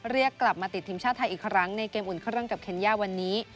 เรียกกลับมาติดทีมชาติไทยอีกครั้งในเกมอุ่นเครื่องกับเคนย่าวันนี้